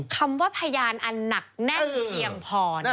คำว่าพยานอันหนักแน่นเพียงพอ